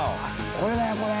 これだよこれ。